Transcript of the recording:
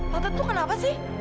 tante tuh kenapa sih